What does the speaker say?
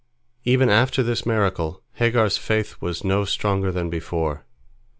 Even after this miracle Hagar's faith was no stronger than before.